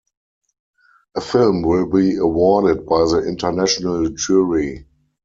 A film will be awarded by the international jury.